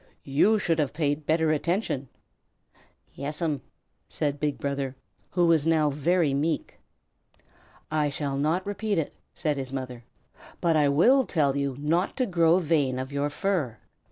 "You should have paid better attention." "Yes 'm," said Big Brother, who was now very meek. "I shall not repeat it," said his mother, "but I will tell you not to grow vain of your fur.